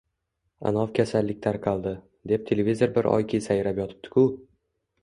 Anov kasallik tarqaldi, deb televizor bir oyki sayrab yotibdiku